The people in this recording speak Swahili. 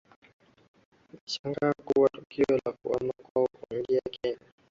Hii inashangaza kwani tukio la kuhama kwao kuingia Kenya